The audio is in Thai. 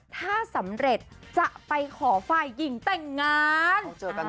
ถ้าสำเร็จจะไปขอฝ่ายหญิงแต่งงาน